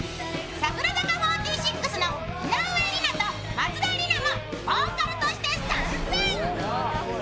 櫻坂４６の井上梨名と松田里奈もボーカルとして参戦。